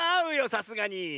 さすがに。